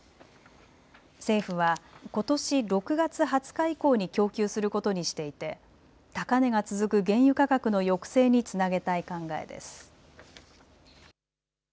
政府は、ことし６月２０日以降に供給することにしていて高値が続く原油価格の抑制につなげたい考えです。